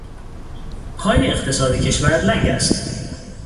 پای اقتصاد کشور لنگ است.